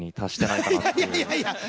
いやいや！